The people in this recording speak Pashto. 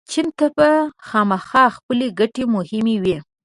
چین ته به خامخا خپلې ګټې مهمې وي.